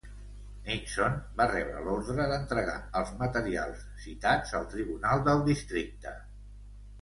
Nixon va rebre l'ordre d'entregar els materials citats al Tribunal del Districte.